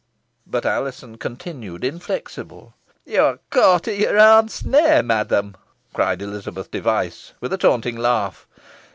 But Alizon continued inflexible. "Yo are caught i' your own snare, madam," cried Elizabeth Device, with a taunting laugh.